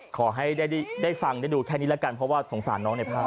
ขอให้ได้ฟังได้ดูแค่นี้แล้วกันเพราะว่าสงสารน้องในภาพ